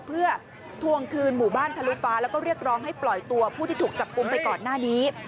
เพื่อทวงคืนหมู่บ้านทะลุฟ้าแล้วก็เรียกร้องให้ปล่อยตัวผู้ที่ถูกจับกลุ่มไปก่อนหน้านี้